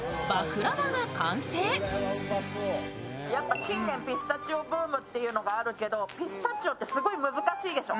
近年ピスタチオブームっていうのがあるけど、ピスタチオってすごい難しいでしょう。